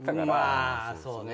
まあそうね。